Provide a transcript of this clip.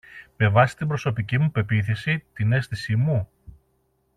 Με βάση την προσωπική μου πεποίθηση, την αίσθηση μου;